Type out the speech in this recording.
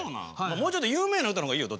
もうちょっと有名な歌の方がいいよ